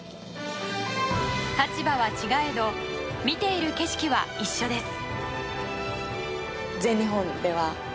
立場は違えど見ている景色は一緒です。